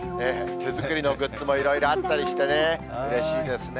手作りのグッズもいろいろあったりしてね、うれしいですね。